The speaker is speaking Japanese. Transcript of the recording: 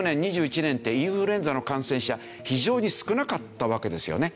２０２１年ってインフルエンザの感染者非常に少なかったわけですよね。